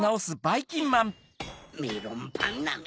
メロンパンナめ！